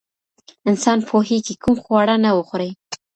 انسان پوهېږي کوم خواړه نه وخوري.